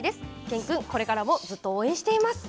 健君、これからもずっと応援しています！